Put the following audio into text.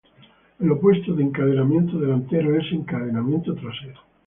El opuesto de encadenamiento delantero es encadenamiento trasero.